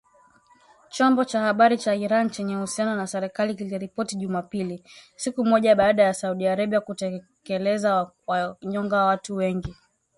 chombo cha habari cha Iran chenye uhusiano na serikali kiliripoti Jumapili, siku moja baada ya Saudi Arabia kutekeleza kuwanyonga watu wengi